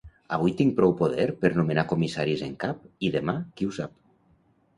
Avui tinc prou poder per nomenar comissaris en cap i demà, qui ho sap.